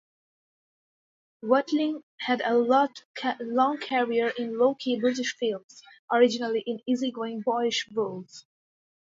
Watling had a long career in low-key British films, originally in easy-going boyish roles.